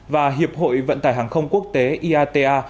và hiệp hội vận tải hàng không quốc tế iata